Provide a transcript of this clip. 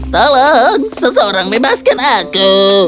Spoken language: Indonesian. tolong seseorang bebaskan aku